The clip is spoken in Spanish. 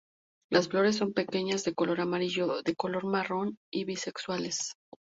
Las flores son pequeñas de color amarillo, de color marrón y bisexuales.